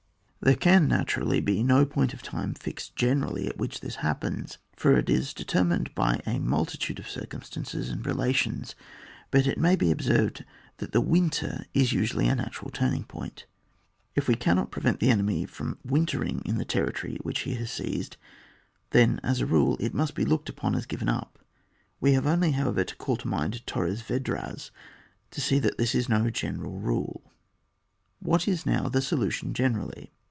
There can naturally be no point of time fixed generally at which this hap. pens, for it is determined by a multitude of circumstances and relations ; but it may be observed that the winter is usually a natural turning point. If we cannot prevent the enemy from wintering in the territory which he has seized, then, as » rule, it must be looked upon as given up. We have only, however, to call to mind TorresYedras, to see that this is no gene ral rule. What is now the solution generally